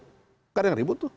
bukan yang ribut tuh